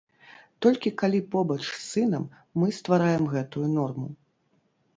Толькі калі побач з сынам мы ствараем гэтую норму.